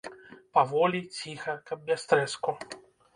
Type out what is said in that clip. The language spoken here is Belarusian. Паволі, ціха, каб без трэску.